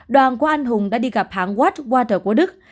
đoàn của anh hùng đã đi gặp hãng watchwater của đức